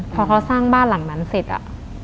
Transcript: พอเขาสร้างบ้านหลังนั้นเสร็จอ่ะ